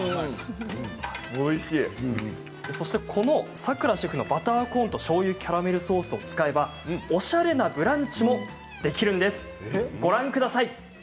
さくらシェフのバターコーンとおしゃれカラメルソースを使えばおしゃれなブランチもできます。